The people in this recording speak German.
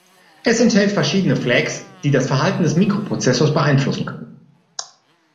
Es enthält verschiedene Flags, die das Verhalten des Mikroprozessors beeinflussen können.